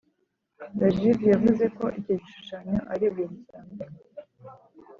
Rajiv yavuze ko icyo gishushanyo ari ibuye risanzwe